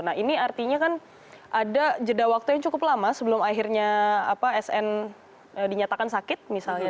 nah ini artinya kan ada jeda waktu yang cukup lama sebelum akhirnya sn dinyatakan sakit misalnya